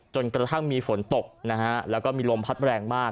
จนกระทั่งมีฝนตกนะฮะแล้วก็มีลมพัดแรงมาก